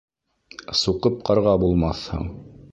Суҡып ҡарға булмаҫһың.